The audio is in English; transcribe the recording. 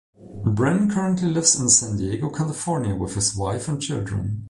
Brin currently lives in San Diego, California with his wife and children.